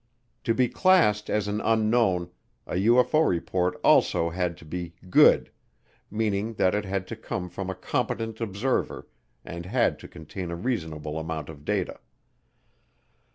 To be classed as an unknown, a UFO report also had to be "good," meaning that it had to come from a competent observer and had to contain a reasonable amount of data.